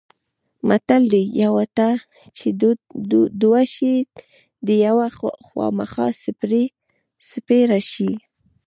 متل دی: یوه ته چې دوه شي د یوه خوامخا سپېره شي.